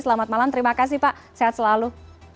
selamat malam terima kasih pak sehat selalu